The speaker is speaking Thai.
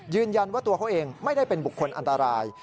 ยืนยันว่าตัวเขาเองไม่ได้เป็นบุคคลอันตราย